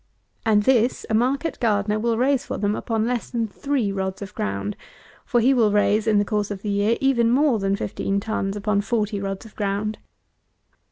and this a market gardener will raise for them upon less than three rods of ground; for he will raise, in the course of the year, even more than fifteen tons upon forty rods of ground.